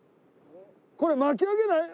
これ巻き上げない？